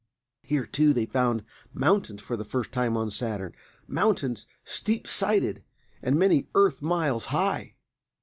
Here, too, they found mountains for the first time on Saturn; mountains steep sided, and many Earth miles high.